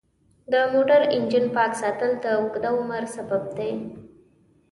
د موټر انجن پاک ساتل د اوږده عمر سبب دی.